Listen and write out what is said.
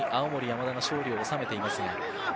青森山田が勝利を収めています。